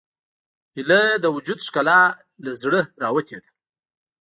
هیلۍ د وجود ښکلا له زړه نه راوتې ده